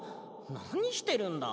なにしてるんだ？